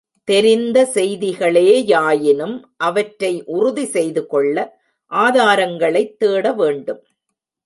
தெரிந்த செய்திகளே யாயினும் அவற்றை உறுதி செய்துகொள்ள ஆதாரங்களைத் தேடவேண்டும்.